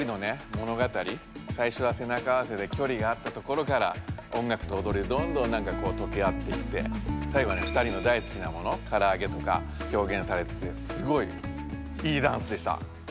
ものがたり最初はせなかあわせで距離があったところから音楽とおどりでどんどんなんかこうとけあっていって最後は２人の大好きなものから揚げとか表現されててすごいいいダンスでした。